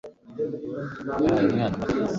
yahaye umwana amata